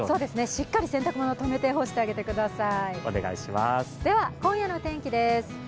しっかり洗濯物をとめて、干してあげてください。